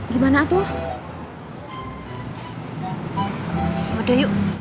gak ada apa apa